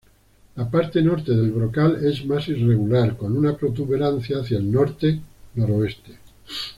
La parte norte del brocal es más irregular, con una protuberancia hacia el norte-noroeste.